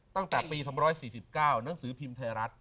ตั้งแต่ปี๒๔๙หนังสือพิมพ์ไทยรัฐ